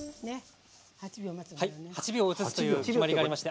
８秒映すという決まりがありまして。